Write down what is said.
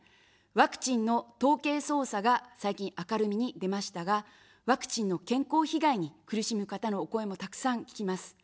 ワクチンの統計操作が最近明るみに出ましたが、ワクチンの健康被害に苦しむ方のお声もたくさん聞きます。